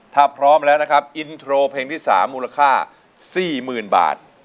ถ้าพร้อมแล้วนะครับอินโทรเพลงที่๓มูลค่า๔๐๐๐บาท